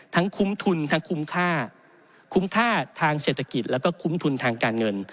คุ้มทุนทั้งคุ้มค่าคุ้มค่าทางเศรษฐกิจแล้วก็คุ้มทุนทางการเงิน